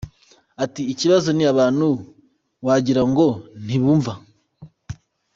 Ati”Ikibazo ni abantu wagira ngo ntibumva.